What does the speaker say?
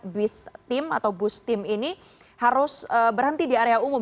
bus tim ini harus berhenti di area umum